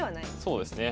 そうですね。